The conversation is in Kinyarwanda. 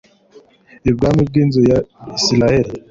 ubwami bw inzu ya Isirayeli